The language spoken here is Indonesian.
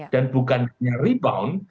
dan bukan hanya rebound